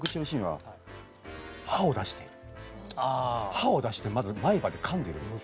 歯を出してまず前歯で噛んでるんですよ。